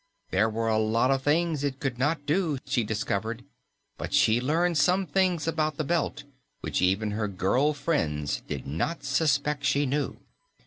There were a lot of things it could not do, she discovered, but she learned some things about the Belt which even her girl friends did not suspect she knew.